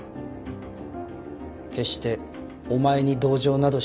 決してお前に同情などしない。